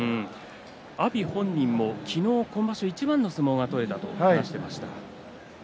阿炎本人も昨日は今場所一番の相撲が取れたと話していました。